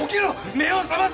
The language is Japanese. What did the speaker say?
目を覚ませ！